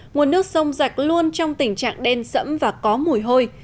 nguồn nước sông rạch luôn trong tình trạng đen sẫm và có mùi hôi